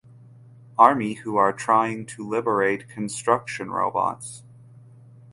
Army who are trying to liberate construction robots.